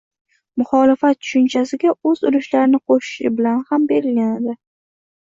“muxolifat” tushunchasiga o‘z ulushlarini qo‘shishi bilan ham belgilanadi.